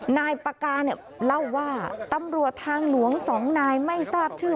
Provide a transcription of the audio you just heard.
นายปากาเนี่ยเล่าว่าตำรวจทางหลวง๒นายไม่ทราบชื่อ